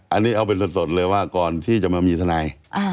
อันนี้เอาเป็นสดเลยว่าก่อนที่จะมามีทนาย